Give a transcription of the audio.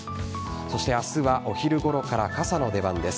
そして明日はお昼ごろから傘の出番です。